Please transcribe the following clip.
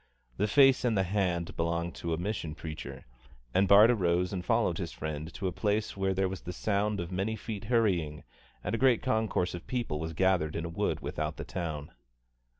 The face and the hand belonged to a mission preacher, and Bart arose and followed his friend to a place where there was the sound of many feet hurrying and a great concourse of people was gathered in a wood without the town.